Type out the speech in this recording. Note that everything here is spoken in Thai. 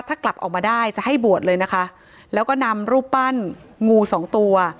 ถ้ากลับออกมาได้จะให้บวชเลยนะคะแล้วก็นำรูปปั้นงูสองตัว